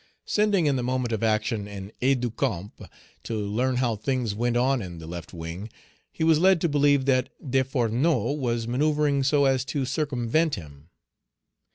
Sending, in the moment of action, an aide de camp to learn how things went on in the left wing, he was led to believe that Desfourneaux was manoeuvring so as to circumvent him.